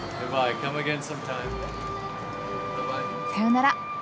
さようなら。